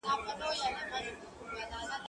که وخت وي، وخت نيسم،